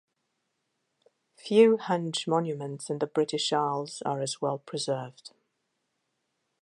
Few henge monuments in the British Isles are as well preserved.